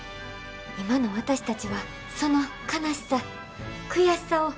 今の私たちはその悲しさ悔しさをよく知っています。